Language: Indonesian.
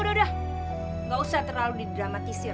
tidak usah terlalu didramatisir